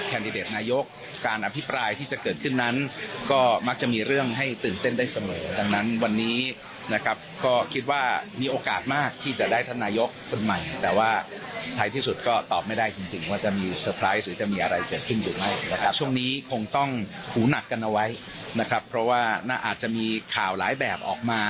หนักกันเอาไว้นะครับเพราะว่าน่าอาจจะมีข่าวหลายแบบออกมา